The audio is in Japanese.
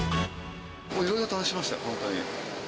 いろいろ試しましたよ、本当に。